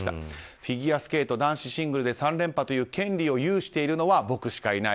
フィギュアスケート男子シングルで３連覇という権利を有しているのは僕しかいない。